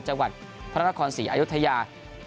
จังหวัดพระนครศรีอายุทยา